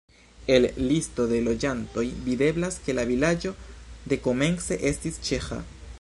El listo de loĝantoj videblas, ke la vilaĝo dekomence estis ĉeĥa.